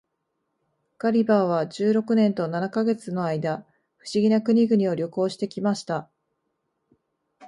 ガリバーは十六年と七ヵ月の間、不思議な国々を旅行して来ました。